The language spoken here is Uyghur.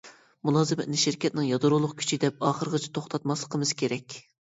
مۇلازىمەتنى شىركەتنىڭ يادرولۇق كۈچى دەپ ئاخىرىغىچە توختاتماسلىقىمىز كېرەك.